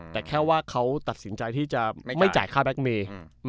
แต่แค่ว่าเขาตัดสินใจที่จะไม่จ่ายค่าแล็กเมย์